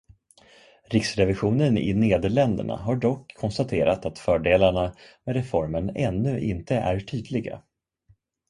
Riksrevisionen i Nederländerna har dock konstaterat att fördelarna med reformen ännu inte är tydliga.